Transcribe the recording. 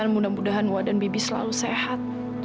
mudah mudahan wak dan bibi selalu sehat